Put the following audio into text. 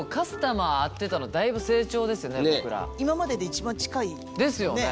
今までで一番近い。ですよね？